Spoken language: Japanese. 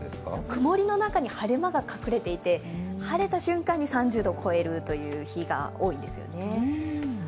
曇りの中に晴れ間が隠れていて晴れた瞬間に３０度を超えるという日が多いんですよね。